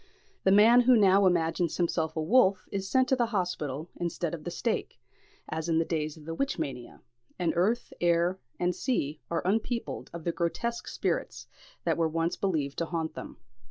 The man who now imagines himself a wolf is sent to the hospital instead of to the stake, as in the days of the witch mania; and earth, air, and sea are unpeopled of the grotesque spirits that were once believed to haunt them.